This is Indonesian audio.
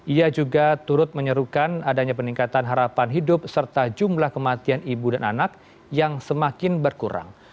ia juga turut menyerukan adanya peningkatan harapan hidup serta jumlah kematian ibu dan anak yang semakin berkurang